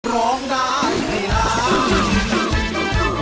ร้องได้ให้ล้าน